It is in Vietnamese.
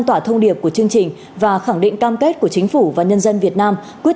tỏa thông điệp của chương trình và khẳng định cam kết của chính phủ và nhân dân việt nam quyết